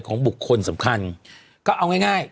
บุคคลสำคัญก็เอาง่าย